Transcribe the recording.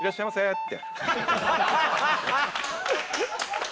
って。